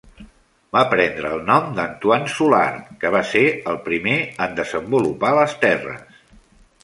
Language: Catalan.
Va prendre el nom de Antoine Soulard, que va ser el primer en desenvolupar les terres.